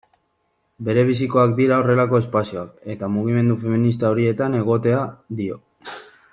Berebizikoak dira horrelako espazioak, eta mugimendu feminista horietan egotea, dio.